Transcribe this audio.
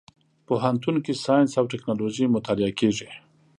پوهنتون کې ساينس او ټکنالوژي مطالعه کېږي.